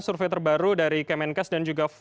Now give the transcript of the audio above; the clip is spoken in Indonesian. survei terbaru dari kemenkes dan juga